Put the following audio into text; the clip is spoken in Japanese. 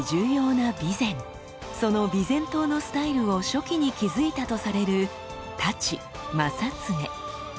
その備前刀のスタイルを初期に築いたとされる太刀正恒。